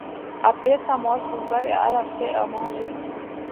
Après sa mort, son cœur est arraché et mangé.